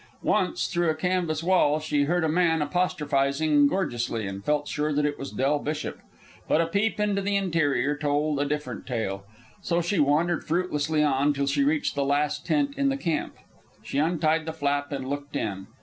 Once, through a canvas wall, she heard a man apostrophizing gorgeously, and felt sure that it was Del Bishop. But a peep into the interior told a different tale; so she wandered fruitlessly on till she reached the last tent in the camp. She untied the flap and looked in.